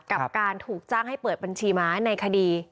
กับการถูกจ้างให้เปิดบัญชีม้าในคดี